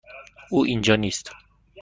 او اینجا نیست.